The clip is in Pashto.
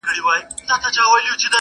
له رمباړو له زګېروي څخه سو ستړی؛